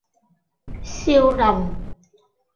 少林